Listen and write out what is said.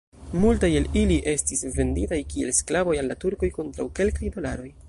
Multaj el ili estis venditaj kiel sklavoj al la turkoj kontraŭ kelkaj dolaroj.